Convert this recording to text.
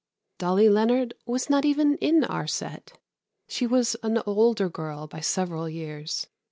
Dolly Leonard was not even in our set. She was an older girl by several years.